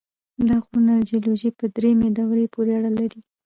دا غرونه د جیولوژۍ په دریمې دورې پورې اړه لري.